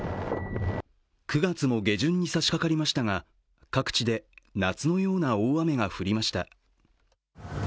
９月も下旬にさしかかりましたが各地で夏のような大雨が降りました。